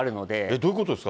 どういうことですか？